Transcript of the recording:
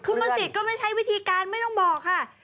คุณมณศิษย์ก็ใช้วิธีการไม่ต้องบอกค่ะ